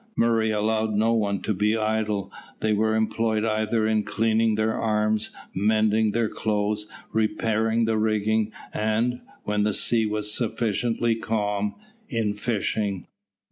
Murray allowed no one to be idle. They were employed either in cleaning their arms, mending their clothes, repairing the rigging, and, when the sea was sufficiently calm, in fishing.